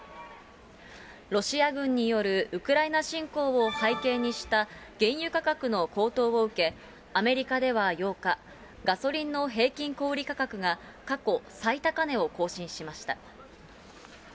ロシア軍によるウクライナ侵攻を背景にした原油価格の高騰を受け、アメリカでは８日、ガソリンの平均小売り価格が過去最高値を更新しました。